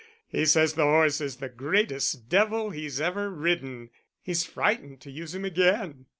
He says the horse is the greatest devil he's ever ridden; he's frightened to use him again."